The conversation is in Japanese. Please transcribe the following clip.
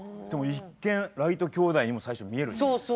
でも一見ライト兄弟にも最初見えるっていう。